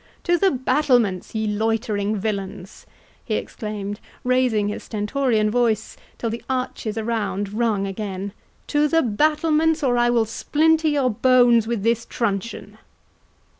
—To the battlements, ye loitering villains!" he exclaimed, raising his stentorian voice till the arches around rung again, "to the battlements, or I will splinter your bones with this truncheon!"